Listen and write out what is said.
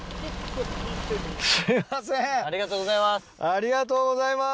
ありがとうございます。